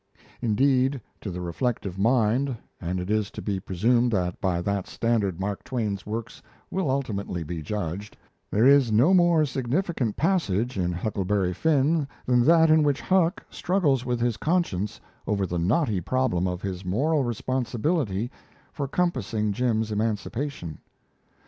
Indeed, to the reflective mind and it is to be presumed that by that standard Mark Twain's works will ultimately be judged there is no more significant passage in Huckleberry Finn than that in which Huck struggles with his conscience over the knotty problem of his moral responsibility for compassing Jim's emancipation.